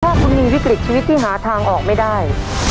ถ้าคุณมีวิกฤตชีวิตที่หาทางออกไม่ได้